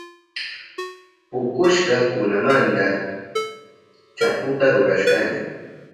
Pukushka kunamanta chaputa rurashkani.